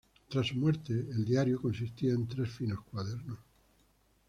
Tras su muerte el diario consistía en tres finos cuadernos.